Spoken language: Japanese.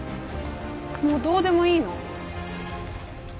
もうどうでもいいの？